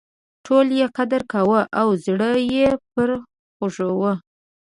ټولو یې قدر کاوه او زړه یې پر خوږاوه.